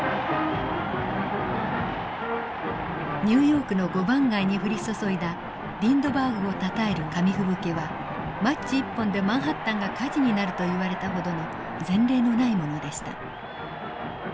ニューヨークの５番街に降り注いだリンドバーグをたたえる紙吹雪はマッチ１本でマンハッタンが火事になると言われたほどの前例のないものでした。